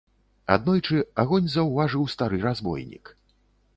Аднойчы агонь заўважыў стары разбойнік.